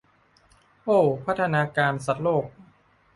โอ้ พัฒนาการสัตว์โลก